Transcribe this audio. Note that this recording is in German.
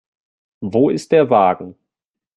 Wo ist der Wagen?